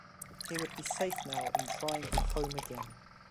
He would be safe now in trying for home again.